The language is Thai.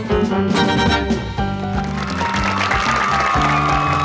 สวัสดีครับ